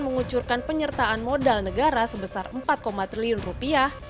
mengucurkan penyertaan modal negara sebesar empat triliun rupiah